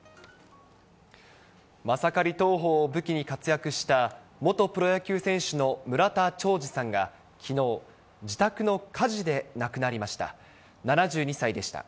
マサカリ投法を武器に活躍した元プロ野球選手の村田兆治さんが、きのう、自宅の火事で亡くなりました。